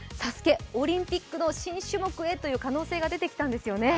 ＳＡＳＵＫＥ、オリンピックの新種目へという可能性が出てきたんですよね。